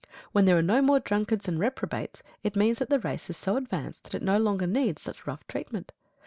When there are no more drunkards and reprobates, it means that the race is so advanced that it no longer needs such rough treatment.